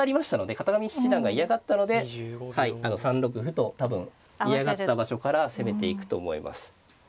片上七段が嫌がったので３六歩と多分嫌がった場所から攻めていくと思います。